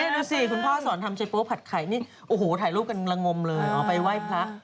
ดูสิคุณพ่อสอนทำใจโป๊ผัดไข่นี่โอ้โหถ่ายรูปกันละงมเลยอ๋อไปไหว้พระ